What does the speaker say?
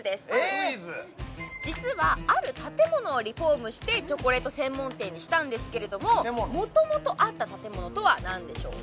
クイズ実はある建物をリフォームしてチョコレート専門店にしたんですけれども元々あった建物とは何でしょうか？